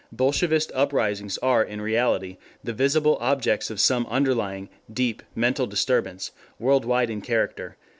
Bolshevist uprisings are in reality the visible objects of some underlying, deep, mental disturbance, world wide in character....